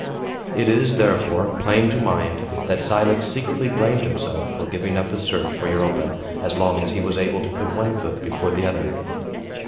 It is, therefore, plain to my mind, that Cilix secretly blamed himself for giving up the search for Europa, as long as he was able to put one foot before the other.